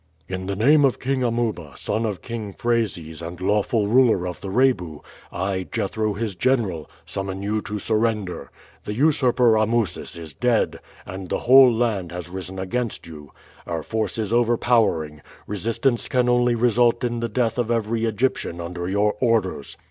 "In the name of King Amuba, son of King Phrases and lawful ruler of the Rebu, I, Jethro his general, summon you to surrender. The usurper Amusis is dead and the whole land has risen against you. Our force is overpowering resistance can only result in the death of every Egyptian under your orders.